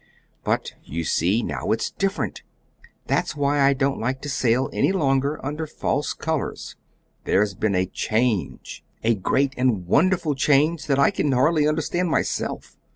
"But you see now it's different. That's why I don't like to sail any longer under false colors. There's been a change a great and wonderful change that I hardly understand myself."